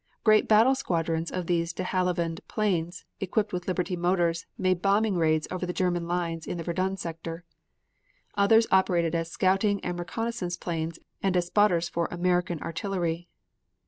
Great battle squadrons of these De Haviland planes equipped with Liberty motors made bombing raids over the German lines in the Verdun sector. Others operated as scouting and reconnaissance planes and as spotters for American artillery.